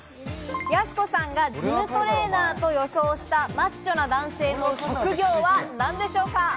やす子さんがジムトレーナーと予想したマッチョな男性の職業は何でしょうか？